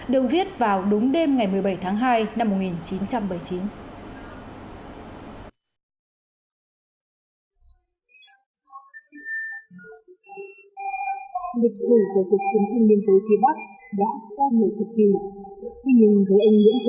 được viết vào đúng đêm ngày một mươi bảy tháng hai